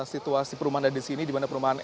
situasi perumahan ada di sini di mana perumahan